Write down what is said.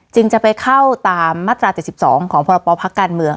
จึงจะไปเข้าตามมาตรา๗๒ของพรปภักดิการเมือง